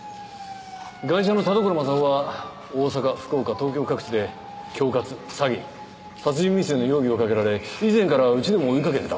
ガイシャの田所柾雄は大阪福岡東京各地で恐喝詐欺殺人未遂の容疑をかけられ以前からうちでも追いかけてた男です。